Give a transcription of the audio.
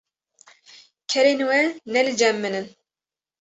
kerên we ne li cem min in.